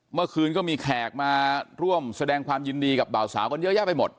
เมื่อคืนก็มีแขกมาร่วมแสดงความยินดีกับบ่าวสาวกันเยอะแยะไปหมด